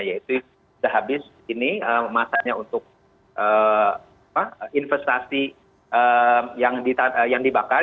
yaitu sudah habis ini masanya untuk investasi yang dibakar